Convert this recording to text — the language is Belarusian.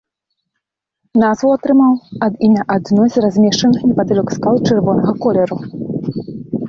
Назву атрымаў ад імя адной з размешчаных непадалёк скал чырвонага колеру.